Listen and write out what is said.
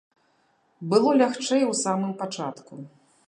Было лягчэй ў самым пачатку.